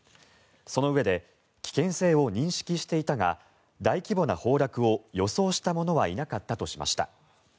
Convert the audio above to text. そのうえで危険性を認識していたが大規模な崩落を予想した者はいなかったとしました。